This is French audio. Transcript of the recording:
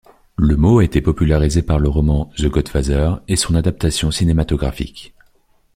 Le mot a été popularisé par le roman The Godfather et son adaptation cinématographique.